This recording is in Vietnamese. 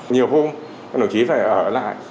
nhiều hôm đồng chí phải ở lại